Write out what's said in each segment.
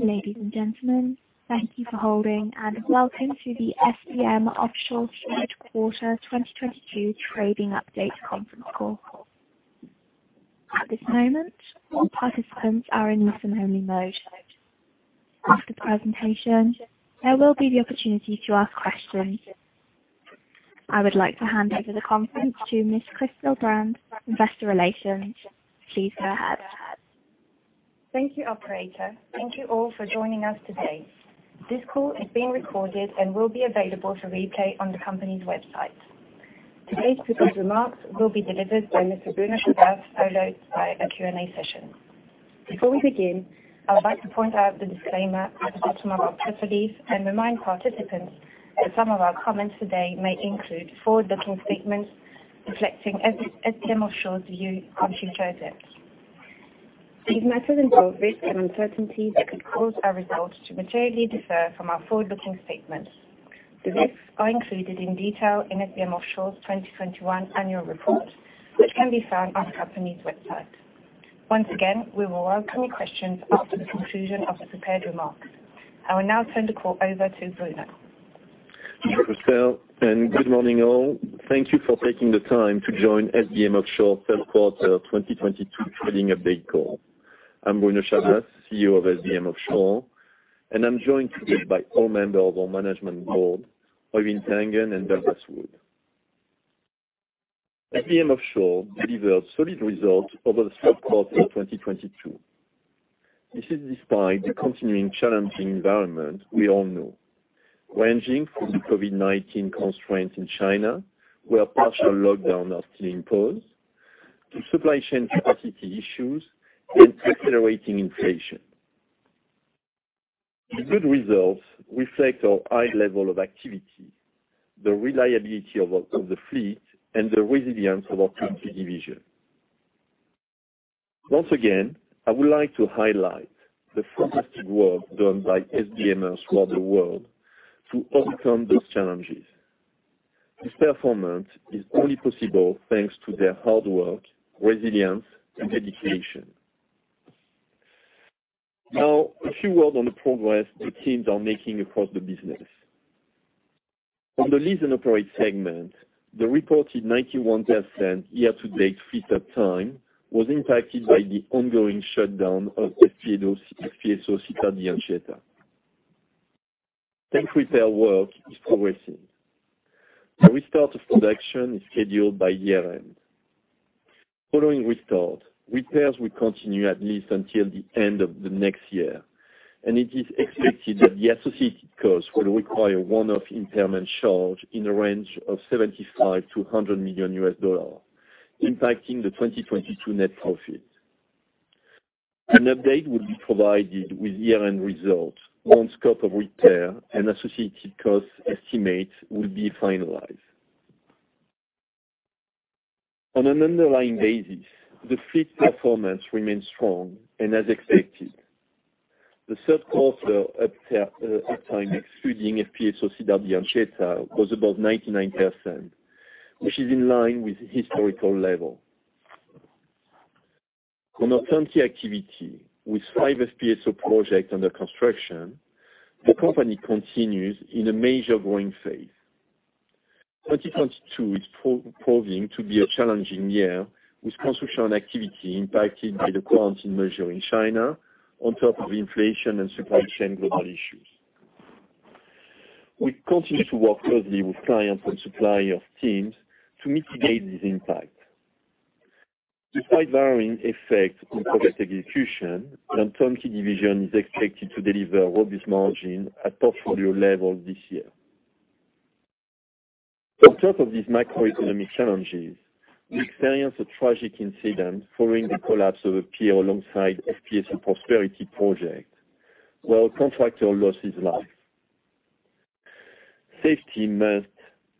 Ladies and gentlemen, thank you for holding, and welcome to the SBM Offshore Third Quarter 2022 Trading Update conference call. At this moment, all participants are in listen-only mode. After the presentation, there will be the opportunity to ask questions. I would like to hand over the conference to Ms. Krystel Brand, Investor Relations. Please go ahead. Thank you, operator. Thank you all for joining us today. This call is being recorded and will be available for replay on the company's website. Today's prepared remarks will be delivered by Mr. Bruno Chabas, followed by a Q&A session. Before we begin, I would like to point out the disclaimer at the bottom of our press release and remind participants that some of our comments today may include forward-looking statements reflecting SBM Offshore's view on future events. These may involve risks and uncertainties that could cause our results to materially differ from our forward-looking statements. The risks are included in detail in SBM Offshore's 2021 Annual Report, which can be found on the company's website. Once again, we will welcome your questions after the conclusion of the prepared remarks. I will now turn the call over to Bruno. Thank you, Krystel, and good morning, all. Thank you for taking the time to join SBM Offshore Third Quarter 2022 Trading Update call. I'm Bruno Chabas, CEO of SBM Offshore, and I'm joined today by all members of our management board, Øivind Tangen and Douglas Wood. SBM Offshore delivered solid results over the third quarter 2022. This is despite the continuing challenging environment we all know, ranging from the COVID-19 constraints in China, where partial lockdowns are still imposed, to supply chain capacity issues and accelerating inflation. The good results reflect our high level of activity, the reliability of the fleet, and the resilience of our Turnkey division. Once again, I would like to highlight the fantastic work done by SBMers throughout the world to overcome those challenges. This performance is only possible thanks to their hard work, resilience, and dedication. Now, a few words on the progress the teams are making across the business. On the Lease and Operate segment, the reported 91% year-to-date fleet uptime was impacted by the ongoing shutdown of FPSO Cidade de Anchieta. Tank repair work is progressing. A restart of production is scheduled by year-end. Following restart, repairs will continue at least until the end of the next year, and it is expected that the associated costs will require one-off impairment charge in the range of $75 million-$100 million, impacting the 2022 net profit. An update will be provided with year-end results once scope of repair and associated cost estimates will be finalized. On an underlying basis, the fleet performance remains strong and as expected. The third quarter uptime excluding FPSO Cidade de Anchieta was above 99%, which is in line with historical level. On our Turnkey activity, with five FPSO projects under construction, the company continues in a major growing phase. 2022 is proving to be a challenging year with construction activity impacted by the quarantine measure in China on top of inflation and global supply chain issues. We continue to work closely with clients and supplier teams to mitigate this impact. Despite varying effect on project execution, the Turnkey division is expected to deliver robust margin at portfolio level this year. On top of these macroeconomic challenges, we experienced a tragic incident following the collapse of a pier alongside FPSO Prosperity project, where a contractor lost his life. Safety must,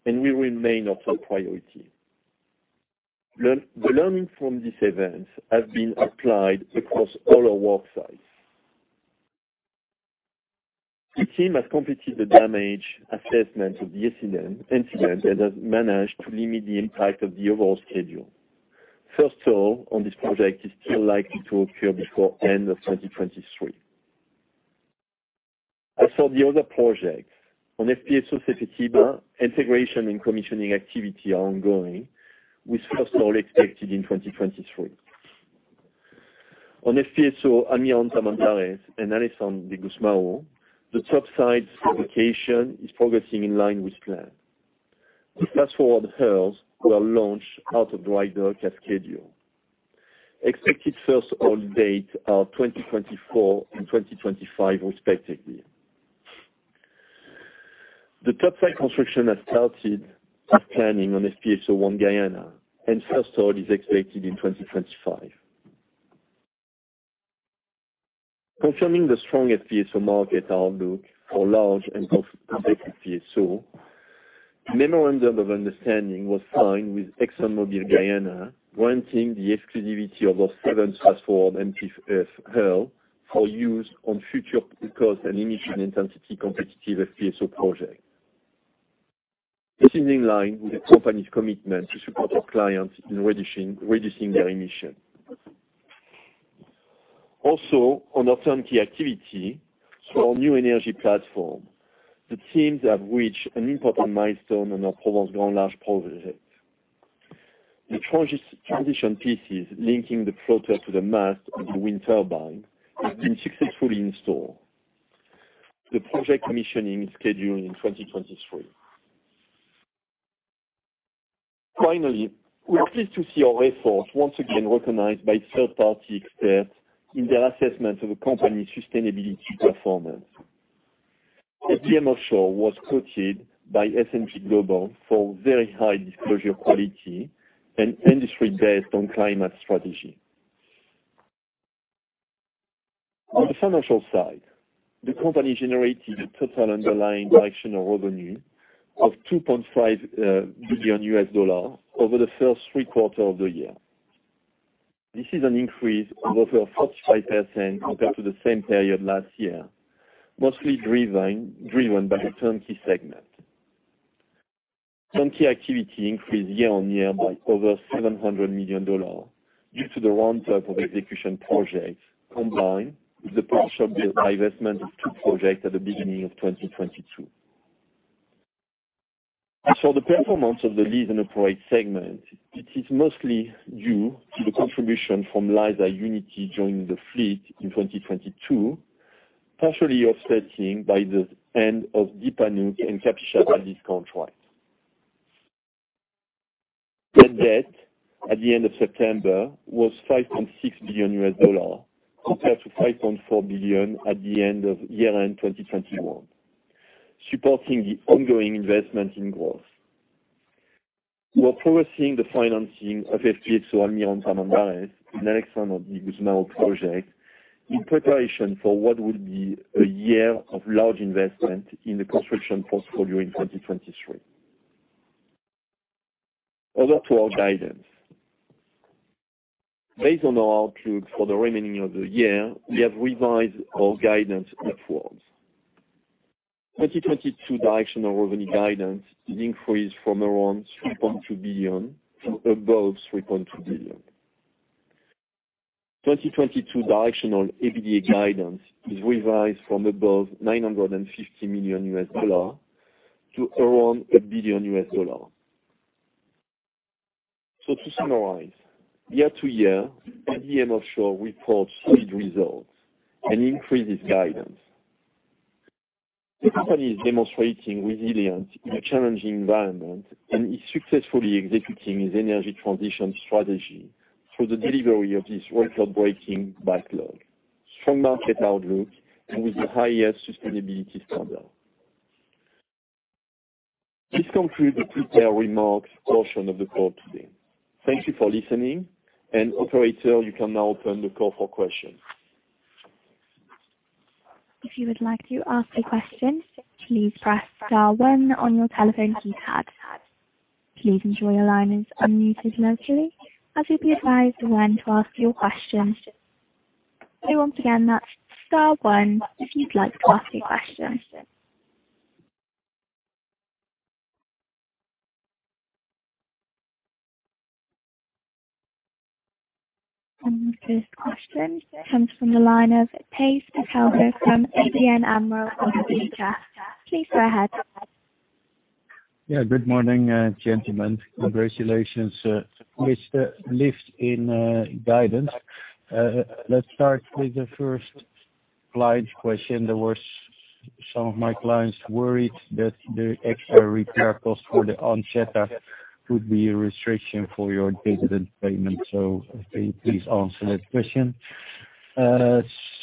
and will remain our top priority. The learning from this event have been applied across all our work sites. The team has completed the damage assessment of the incident and has managed to limit the impact of the overall schedule. First oil on this project is still likely to occur before end of 2023. As for the other projects, on FPSO Sepetiba, integration and commissioning activity are ongoing, with first oil expected in 2023. On FPSO Almirante Tamandaré and FPSO Alexandre de Gusmão, the topside fabrication is progressing in line with plan. The Fast4Ward hulls will launch out of drydock as scheduled. Expected first oil date are 2024 and 2025, respectively. The topside construction has started as planned on FPSO ONE GUYANA, and first oil is expected in 2025. Confirming the strong FPSO market outlook for large and complex FPSO, a memorandum of understanding was signed with ExxonMobil Guyana, granting the exclusivity of our seventh Fast4Ward MPF hull for use on future low-cost and low carbon intensity competitive FPSO project. This is in line with the company's commitment to support our clients in reducing their emission. Also, on our Turnkey activity for our new energy platform, the teams have reached an important milestone on our Provence Grand Large project. The transition pieces linking the floater to the mast of the wind turbine has been successfully installed. The project commissioning is scheduled in 2023. Finally, we are pleased to see our efforts once again recognized by third-party experts in their assessment of the company's sustainability performance. SBM Offshore was quoted by S&P Global for very high disclosure quality and leadership based on climate strategy. On the financial side, the company generated a total underlying directional revenue of $2.5 billion over the first three quarters of the year. This is an increase of over 45% compared to the same period last year, mostly driven by the Turnkey segment. Turnkey activity increased year-on-year by over $700 million due to the ramp up of execution projects, combined with the pre-SOP divestment of two projects at the beginning of 2022. As for the performance of the Lease and Operate segment, it is mostly due to the contribution from Liza Unity joining the fleet in 2022, partially offset by the end of Deep Panuke and Capixaba lease contracts. Net debt at the end of September was $5.6 billion compared to $5.4 billion at the end of year-end 2021, supporting the ongoing investment in growth. We are progressing the financing of FPSO Almirante Tamandaré and FPSO Alexandre de Gusmão project in preparation for what will be a year of large investment in the construction portfolio in 2023. Over to our guidance. Based on our outlook for the remainder of the year, we have revised our guidance upwards. 2022 directional revenue guidance is increased from around $3.2 billion to above $3.2 billion. 2022 directional EBITDA guidance is revised from above $950 million to around $1 billion. To summarize, year-to-year, SBM Offshore reports solid results and increases guidance. The company is demonstrating resilience in a challenging environment and is successfully executing its energy transition strategy through the delivery of this record-breaking backlog from market outlook and with the highest sustainability standard. This concludes the prepared remarks portion of the call today. Thank you for listening, and operator, you can now open the call for questions. If you would like to ask a question, please press star one on your telephone keypad. Please ensure your line is unmuted locally as you'll be advised when to ask your questions. Once again, that's star one if you'd like to ask a question. The first question comes from the line of Thijs Berkelder from ABN AMRO on the beach house. Please go ahead. Yeah. Good morning, gentlemen. Congratulations with the lift in guidance. Let's start with the first client question. There was some of my clients worried that the extra repair cost for the Anchieta could be a restriction for your dividend payment. If you please answer that question.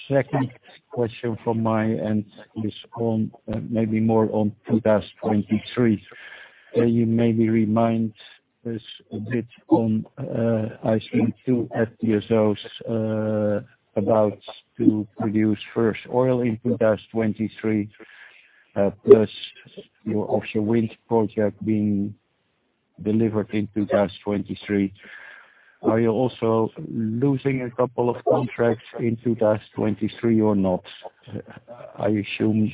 Second question from my end is on, maybe more on 2023. Can you maybe remind us a bit on, Exxon two FPSOs, about to produce first oil in 2023, plus your offshore wind project being delivered in 2023. Are you also losing a couple of contracts in 2023 or not? I assume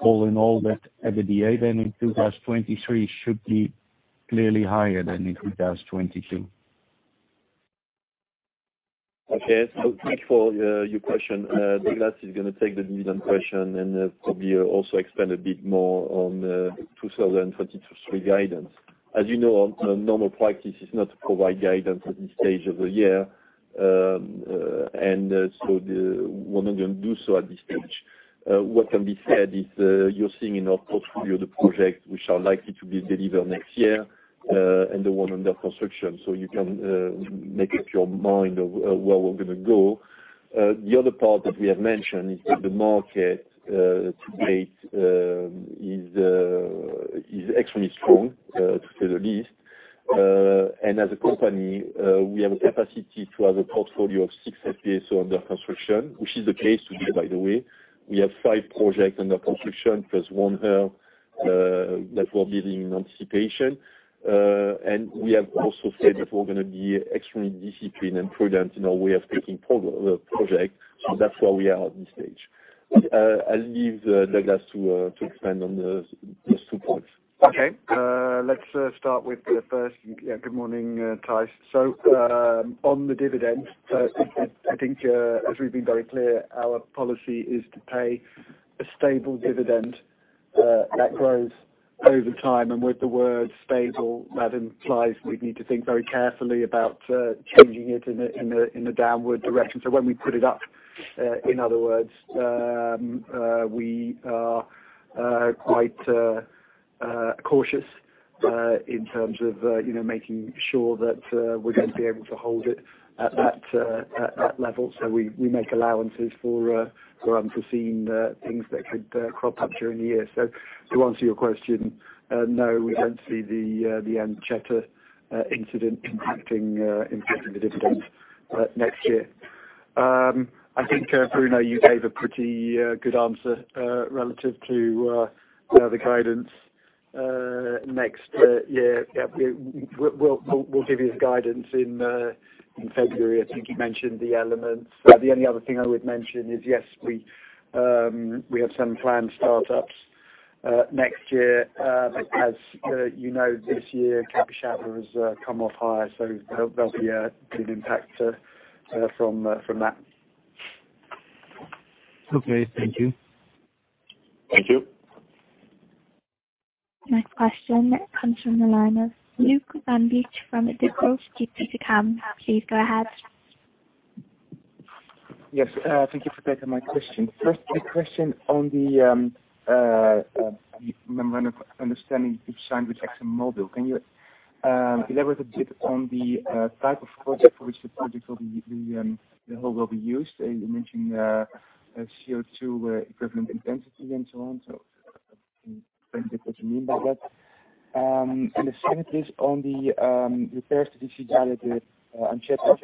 all in all that EBITDA then in 2023 should be clearly higher than in 2022. Okay. Thanks for your question. Douglas is gonna take the dividend question and probably also expand a bit more on 2022-2023 guidance. As you know, our normal practice is not to provide guidance at this stage of the year. We're not gonna do so at this stage. What can be said is you're seeing in our portfolio the projects which are likely to be delivered next year and the one under construction. You can make up your mind of where we're gonna go. The other part that we have mentioned is that the market to date is extremely strong to say the least. As a company, we have a capacity to have a portfolio of six FPSOs under construction, which is the case today, by the way. We have five projects under construction, plus one here that we're building in anticipation. We have also said that we're gonna be extremely disciplined and prudent in our way of taking project. That's where we are at this stage. I'll leave Douglas to expand on those two points. Okay. Let's start with the first. Yeah, good morning, Thijs. On the dividend, I think, as we've been very clear, our policy is to pay a stable dividend that grows over time. With the word stable, that implies we need to think very carefully about changing it in a downward direction. When we put it up, in other words, we are quite cautious in terms of, you know, making sure that we're gonna be able to hold it at that level. We make allowances for unforeseen things that could crop up during the year. To answer your question, no, we don't see the Anchieta incident impacting the dividend next year. I think, Bruno, you gave a pretty good answer relative to the guidance next year. Yeah, we'll give you the guidance in February. I think you mentioned the elements. The only other thing I would mention is, yes, we have some planned startups next year. As you know, this year, Capixaba has come off hire, so there'll be a good impact from that. Okay, thank you. Thank you. Next question comes from the line of Luuk van Beek from Degroof Petercam. Please go ahead. Yes, thank you for taking my question. First, a question on the memorandum of understanding you've signed with ExxonMobil. Can you elaborate a bit on the type of project for which the hull will be used? You mentioned CO2 equivalent intensity and so on, so can you explain a bit what you mean by that? The second is on the repairs to the Cidade de Anchieta.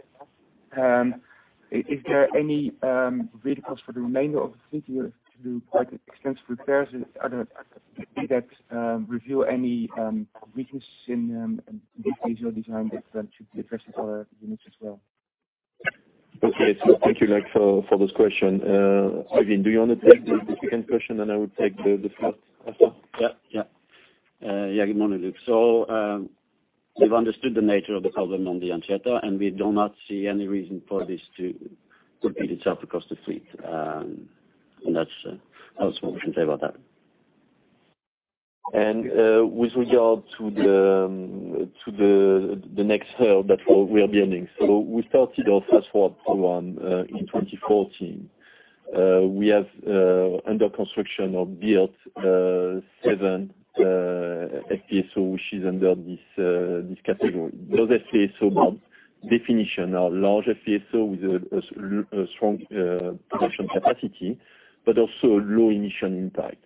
Is there any precedent for the remainder of the fleet here to do quite extensive repairs? Do the OpEx reveal any weakness in this design that should be addressed with other units as well? Okay. Thank you, Luuk, for this question. Øivind, do you wanna take the second question, and I will take the first question? Yeah. Yeah. Good morning, Luuk. We've understood the nature of the problem on the Anchieta, and we do not see any reason for this to repeat itself across the fleet. That's what we can say about that. With regard to the next hull that we are building. We started our Fast4Ward program in 2014. We have under construction or built seven FPSOs, which are under this category. Those FPSOs, by definition, are large FPSOs with a strong production capacity, but also low emission impact.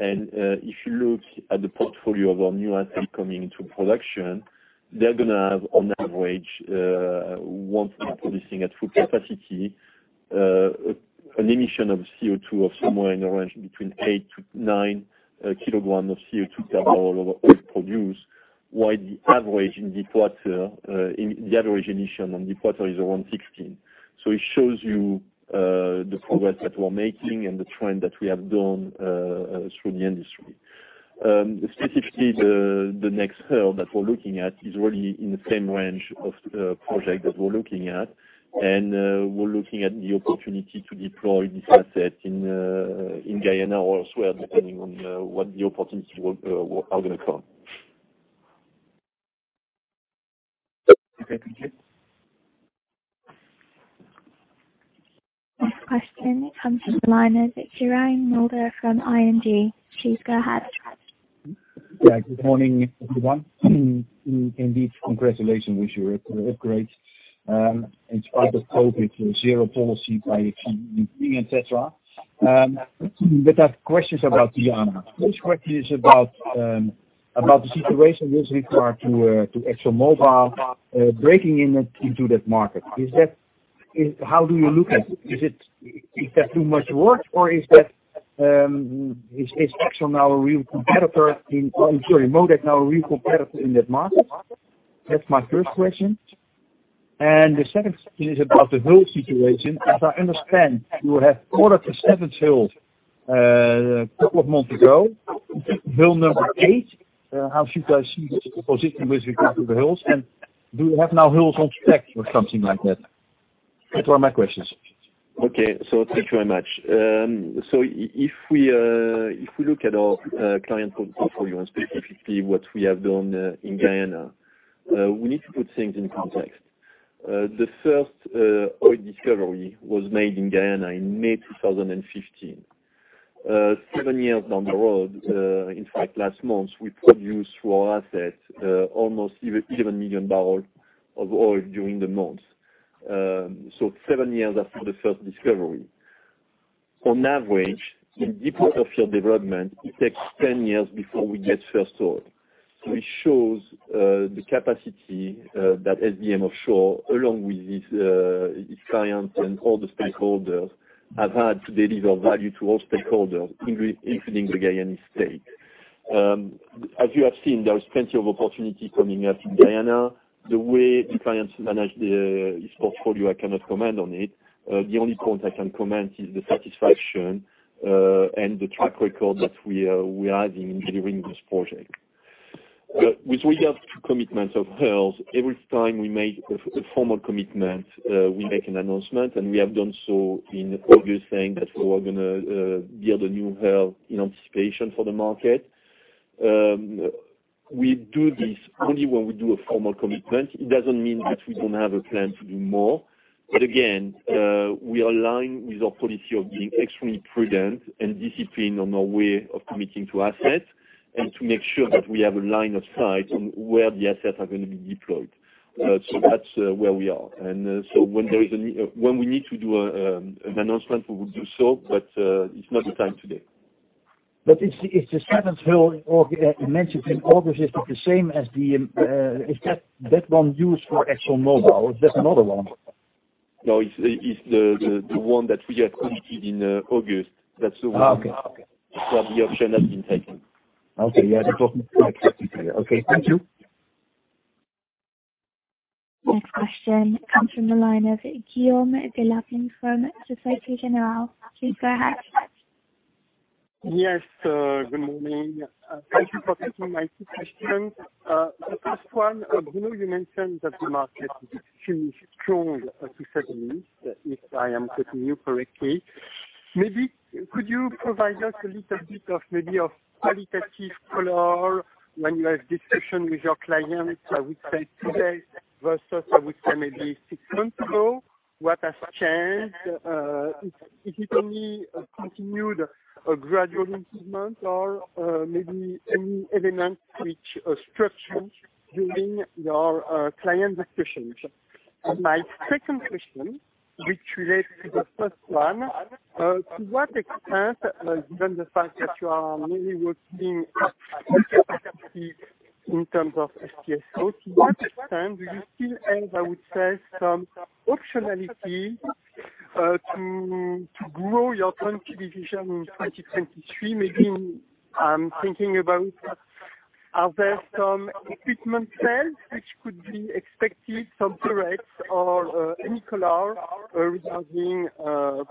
If you look at the portfolio of our new asset coming into production, they're gonna have on average, once we are producing at full capacity, an emission of CO2 of somewhere in the range between 8 kg-9 kg of CO2 per barrel of oil produced, while the average emission on the quarter is around 16 kg. It shows you the progress that we're making and the trend that we have done through the industry. Specifically, the next hull that we're looking at is really in the same range of project that we're looking at. We're looking at the opportunity to deploy this asset in Guyana or elsewhere, depending on what the opportunities are gonna come. Okay, thank you. Next question comes from the line of Quirijn Mulder from ING. Please go ahead. Yeah, good morning, everyone. Indeed, congratulations with your upgrade in spite of COVID zero policy by Xi Jinping, et cetera. I have questions about Guyana. First question is about the situation with regard to ExxonMobil breaking into that market. How do you look at it? Is it too much work, or is Exxon now a real competitor in that market? I'm sorry, MODEC now a real competitor in that market? That's my first question. The second is about the hull situation. As I understand, you have ordered seven hulls a couple of months ago. Hull number eight, how should I see the positioning with regard to the hulls? Do you have now hulls on spec or something like that? Those are my questions. Thank you very much. If we look at our client portfolio and specifically what we have done in Guyana, we need to put things in context. The first oil discovery was made in Guyana in May 2015. Seven years down the road, in fact last month, we produced through our assets almost 11 million barrels of oil during the month, seven years after the first discovery. On average, in deepwater field development, it takes 10 years before we get first oil. It shows the capacity that SBM Offshore, along with its clients and all the stakeholders, have had to deliver value to all stakeholders, including the Guyanese state. As you have seen, there is plenty of opportunity coming up in Guyana. The way the clients manage their portfolio, I cannot comment on it. The only point I can comment is the satisfaction and the track record that we're having during this project. With regard to commitments of hull, every time we make a formal commitment, we make an announcement, and we have done so in August saying that we were gonna build a new hull in anticipation for the market. We do this only when we do a formal commitment. It doesn't mean that we don't have a plan to do more. Again, we align with our policy of being extremely prudent and disciplined on our way of committing to assets and to make sure that we have a line of sight on where the assets are gonna be deployed. That's where we are. When we need to do an announcement, we will do so, but it's not the time today. Is the seventh hull you mentioned in August the same as the one used for ExxonMobil or is that another one? No, it's the one that we have committed in August. That's the one. Okay. Okay. The option has been taken. Okay. Yeah. Okay. Thank you. Next question comes from the line of Guillaume Delaby from Société Générale. Please go ahead. Yes, good morning. Thank you for taking my two questions. The first one, Bruno, you mentioned that the market is too strong to suddenly, if I am putting you correctly. Maybe could you provide us a little bit of maybe of qualitative color when you have discussion with your clients, I would say today versus, I would say maybe six months ago, what has changed? Is it only a continued gradual improvement or maybe any element which are structured during your client discussions? My second question, which relates to the first one, to what extent, given the fact that you are only working at capacity in terms of FPSO, to what extent do you still have, I would say, some optionality to grow your Turnkey division in 2023? Maybe I'm thinking about, are there some equipment sales which could be expected, some threats or any color regarding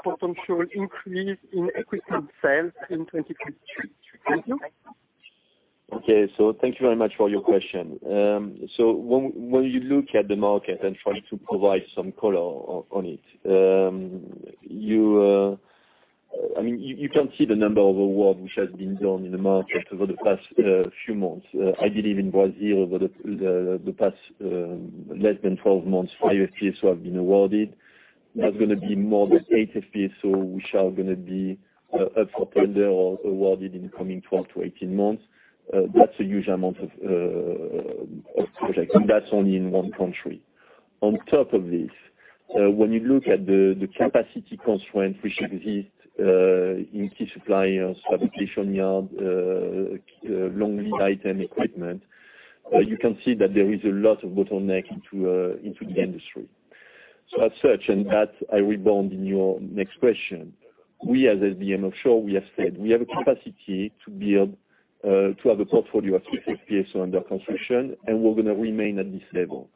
potential increase in equipment sales in 2023? Thank you. Okay. Thank you very much for your question. When you look at the market and try to provide some color on it, I mean, you can see the number of awards which has been done in the market over the past few months. I believe in Brazil over the past less than 12 months, five FPSO have been awarded. There's gonna be more than eight FPSO which are gonna be up for tender or awarded in the coming 12-18 months. That's a huge amount of projects, and that's only in one country. On top of this, when you look at the capacity constraints which exist in key suppliers, fabrication yards, long-lead item equipment, you can see that there is a lot of bottlenecks in the industry. As such, that I respond to your next question, we as SBM Offshore, we have said we have a capacity to build, to have a portfolio of two FPSOs under construction, and we're gonna remain at this level.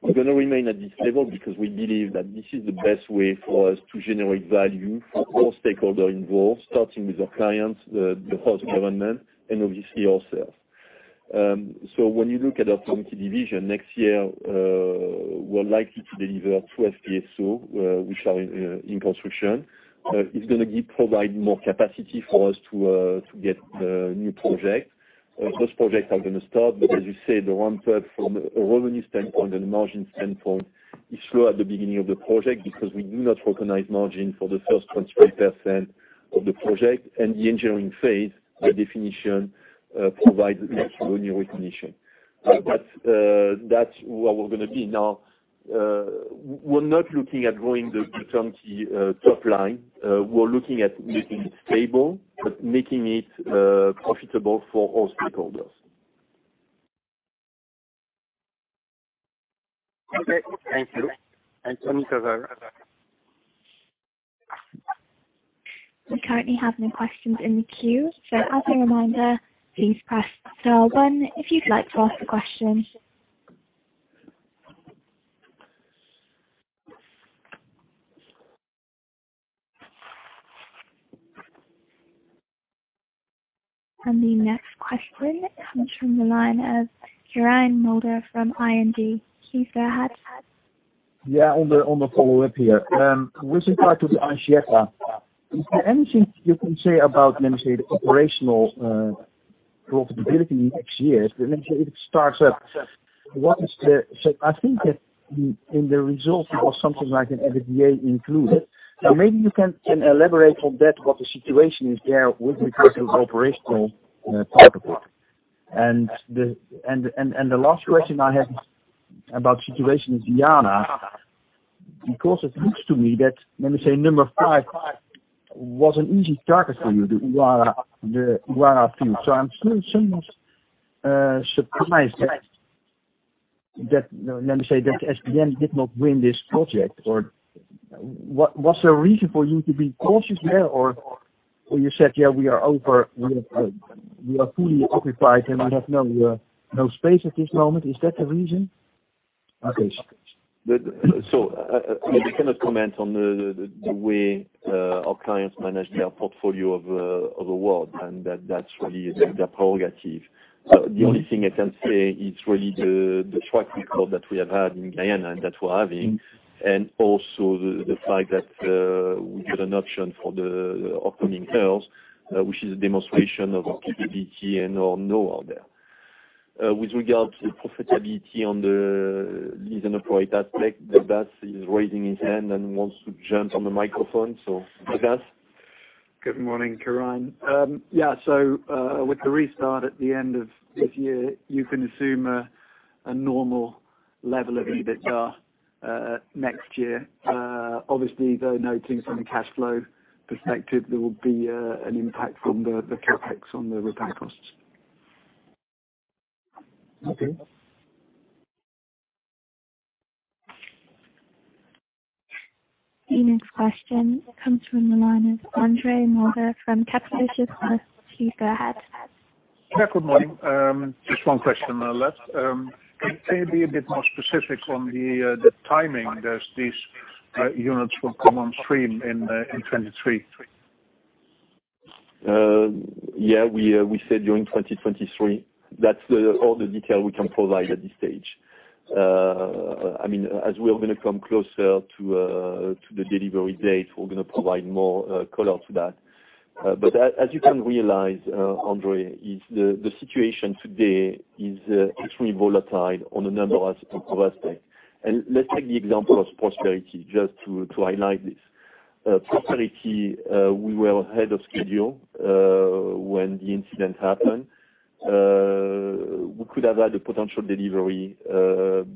We're gonna remain at this level because we believe that this is the best way for us to generate value for all stakeholders involved, starting with our clients, the host government, and obviously ourselves. When you look at our Turnkey division, next year, we're likely to deliver two FPSOs, which are under construction. It's gonna provide more capacity for us to get the new project. Those projects are gonna start, but as you say, the ramp up from a revenue standpoint and a margin standpoint is slow at the beginning of the project because we do not recognize margin for the first 25% of the project. The engineering phase, by definition, provides no revenue recognition. That's where we're gonna be. Now, we're not looking at growing the Turnkey top line. We're looking at making it stable, but making it profitable for all stakeholders. Okay. Thank you. [Tony Cover]. We currently have no questions in the queue. As a reminder, please press star one if you'd like to ask a question. The next question comes from the line of Quirijn Mulder from ING. Please go ahead. On the follow-up here. With regard to Anchieta, is there anything you can say about, let me say, the operational profitability next year. I think that in the results it was something like an EBITDA included. Maybe you can elaborate on that, what the situation is there with regard to the operational profitability. The last question I have about situation is Uaru, because it looks to me that, let me say, number five was an easy target for you, the Uaru field. I'm still almost surprised that, let me say, that SBM did not win this project. Or what, was there a reason for you to be cautious there? You said, yeah, we are fully occupied and we have no space at this moment. Is that the reason? Okay. I mean, we cannot comment on the way our clients manage their portfolio of awards. That is really their prerogative. The only thing I can say is really the track record that we have had in Guyana and that we're having, and also the fact that we got an option for the upcoming years, which is a demonstration of our capability and our know-how there. With regards to profitability on the Lease and Operate aspect, but Douglas is raising his hand and wants to jump on the microphone. Douglas. Good morning, Quirijn. With the restart at the end of this year, you can assume a normal level of EBITDA next year. Obviously, though, noting from a cash flow perspective, there will be an impact from the CapEx on the repair costs. Okay. The next question comes from the line of André Mulder from Kepler Cheuvreux. Please go ahead. Yeah. Good morning. Just one last question. Can you be a bit more specific on the timing that these units will come on stream in 2023? Yeah, we said during 2023. That's all the detail we can provide at this stage. I mean, as we are gonna come closer to the delivery date, we're gonna provide more color to that. But as you can realize, André, the situation today is extremely volatile on a number of aspects. Let's take the example of Prosperity just to highlight this. Prosperity, we were ahead of schedule when the incident happened. We could have had a potential delivery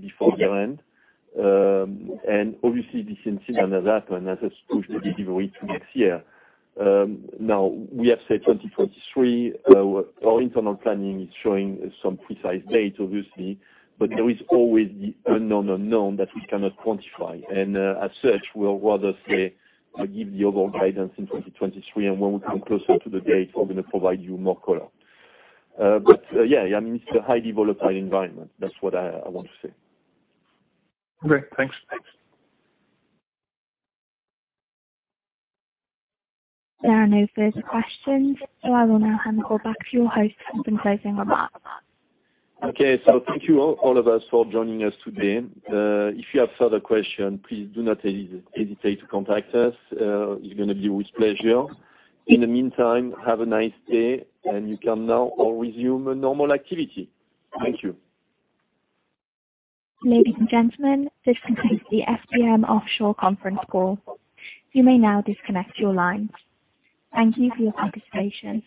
before year end. Obviously this incident has happened, and has pushed the delivery to next year. Now we have said 2023. Our internal planning is showing some precise date, obviously, but there is always the unknown unknown that we cannot quantify. As such, we'll rather say, give the overall guidance in 2023, and when we come closer to the date, we're gonna provide you more color. But yeah. I mean, it's a highly developed environment. That's what I want to say. Great. Thanks. There are no further questions, so I will now hand it back to your host to conclude the call. Okay. Thank you all of us for joining us today. If you have further question, please do not hesitate to contact us. It's gonna be with pleasure. In the meantime, have a nice day, and you can now all resume normal activity. Thank you. Ladies and gentlemen, this concludes the SBM Offshore conference call. You may now disconnect your lines. Thank you for your participation.